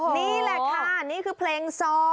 นี่แหละค่ะนี่คือเพลงซอ